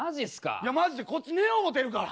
いやマジでこっち寝よう思ってるから。